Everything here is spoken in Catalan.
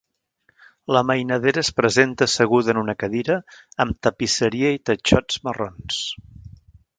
La mainadera es presenta asseguda en una cadira amb tapisseria i tatxots marrons.